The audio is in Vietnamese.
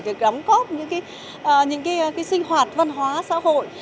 để gắm góp những cái sinh hoạt văn hóa xã hội